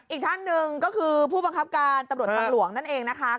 อีกท่านหนึ่งก็คือผู้บังคับการตำรวจทางหลวงนั่นเองนะคะ